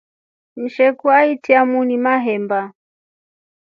Msheku achya muuni mahemba.